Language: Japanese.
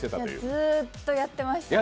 ずーっとやってましたね。